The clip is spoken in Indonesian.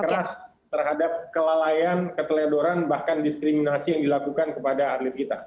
keras terhadap kelalaian keteledoran bahkan diskriminasi yang dilakukan kepada atlet kita